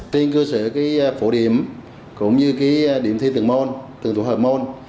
tuyên cơ sở cái phổ điểm cũng như cái điểm thi từng môn từng tổ hợp môn